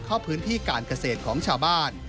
เข้าพื้นที่การเกษตรของชาวบ้าน